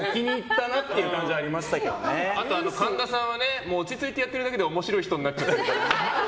あと神田さんは落ち着いてやっているだけで面白い人になっちゃってるから。